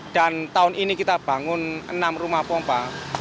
dan tahun ini kita bangun enam rumah pompa